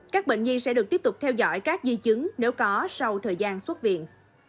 các bệnh nhi sẽ được tiếp tục theo dõi các di chứng nếu có sau thời gian xuất viện